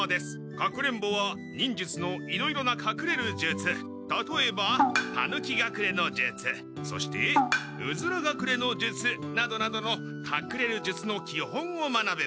隠れんぼは忍術のいろいろな隠れる術たとえばタヌキ隠れの術そしてうずら隠れの術などなどの隠れる術の基本を学べます。